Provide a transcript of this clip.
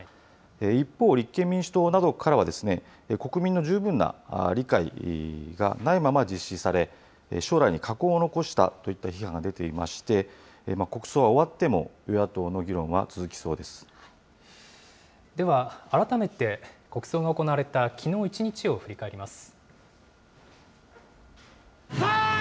一方、立憲民主党などからは、国民の十分な理解がないまま実施され、将来に禍根を残したといった批判が出ていまして、国葬は終わっても与野党の議論は続きそうででは、改めて国葬が行われたきのう一日を振り返ります。